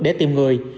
để tìm người